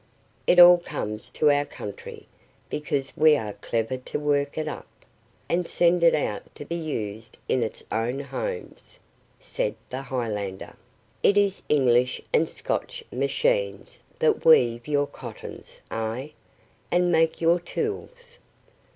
"It all comes to our country, because we are clever to work it up, and send it out to be used in its own homes," said the Highlander; "it is English and Scotch machines that weave your cottons, ay, and make your tools."